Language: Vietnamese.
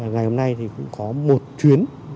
ngày hôm nay thì cũng có một chuyến